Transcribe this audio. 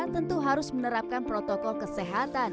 tentu harus menerapkan protokol kesehatan